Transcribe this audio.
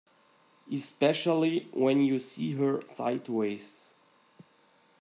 Especially when you see her sideways.